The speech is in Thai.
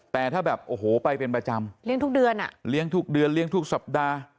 แต่ถ้าไปเป็นประจำเลี้ยงทุกเดือนทุกสัปดาห์